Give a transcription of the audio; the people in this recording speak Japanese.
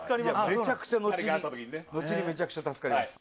めちゃくちゃ後に後にめちゃくちゃ助かります